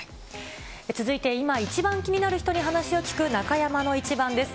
続いて、今一番気になる人に話を聞く、中山のイチバンです。